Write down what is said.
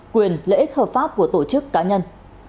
quyền lợi ích hợp pháp của tổ chức cá nhân